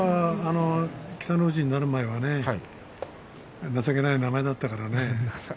北の富士になる前は僕は情けない名前だったからね。